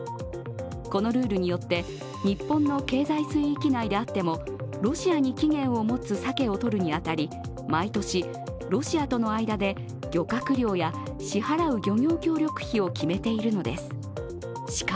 このルールによって、日本の経済水域内であってもロシアに起源を持つさけをとるに当たり毎年、ロシアとの間で漁獲量や支払う漁業協力費を決めているのです。